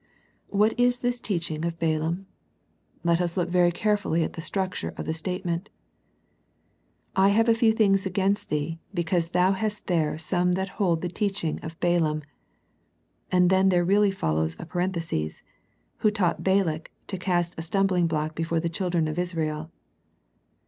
What is this teaching of Balaam ? Let us look very carefully at the structure of the state ment. " I have a few things against thee, be cause thou hast there some that hold the teach ing of Balaam "— and then there really follows a parenthesis —" who taught Balak to cast a stumblingblock before the children of Israel."